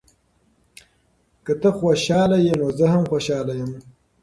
که ته خوشحاله یې، نو زه هم خوشحاله یم.